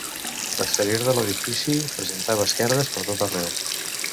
L'exterior de l'edifici, presentava esquerdes per tot arreu.